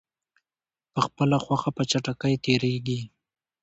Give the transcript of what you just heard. په خپله خوښه په چټکۍ تېریږي.